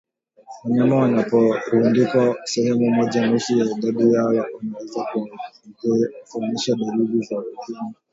Wanyama wanaporundikwa sehemu moja nusu ya idadi yao wanaweza kuonyesha dalili za ugonjwa